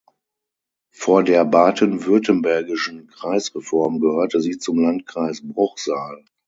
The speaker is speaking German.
Vor der baden-württembergischen Kreisreform gehörte sie zum Landkreis Bruchsal.